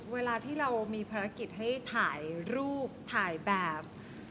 เวลาที่เรามีภารกิจให้ถ่ายรูปถ่ายแบบ